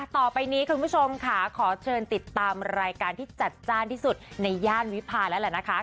ต่อไปนี้คุณผู้ชมค่ะขอเชิญติดตามรายการที่จัดจ้านที่สุดในย่านวิพาแล้วแหละนะคะ